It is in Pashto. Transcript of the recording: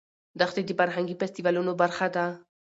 دښتې د فرهنګي فستیوالونو برخه ده.